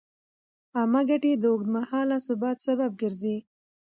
عامه ګټې د اوږدمهاله ثبات سبب ګرځي.